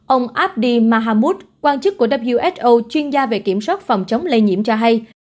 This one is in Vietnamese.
ông abdi mahamud quan chức của who chuyên gia về kiểm soát phòng chống lây nhiễm cho hay